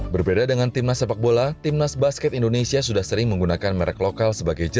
berbeda dengan tim nas sepak bola tim nas basket indonesia sudah sering menggunakan merek lokal